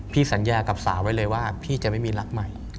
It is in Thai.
สัญญากับสาวไว้เลยว่าพี่จะไม่มีรักใหม่